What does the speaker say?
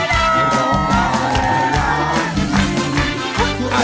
ร้องได้ให้ร้าน